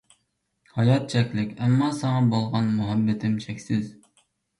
ھايات چەكلىك، ئەمما ساڭا بولغان مۇھەببىتىم چەكسىز.